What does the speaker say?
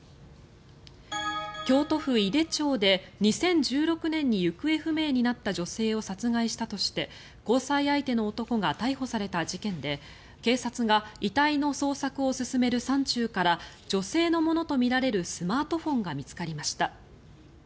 京都府井手町で２０１６年に行方不明になった女性を殺害したとして交際相手の男が逮捕された事件で警察が遺体の捜索を進める山中から女性のものとみられるスマートフォンが見つかりました。